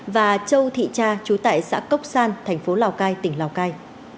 và châu thị tra trú tại xã cốc san thành phố lào cai tỉnh lào cai